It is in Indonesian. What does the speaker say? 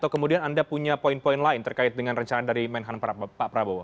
atau kemudian anda punya poin poin lain terkait dengan rencana dari menhan pak prabowo